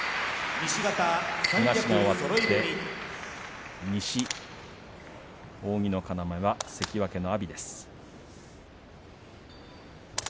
東が終わって西、扇の要には関脇の阿炎です。